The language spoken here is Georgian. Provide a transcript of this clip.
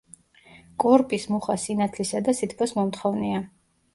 კორპის მუხა სინათლისა და სითბოს მომთხოვნია.